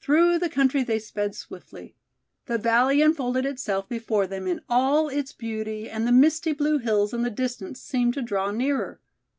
Through the country they sped swiftly. The valley unfolded itself before them in all its beauty and the misty blue hills in the distance seemed to draw nearer.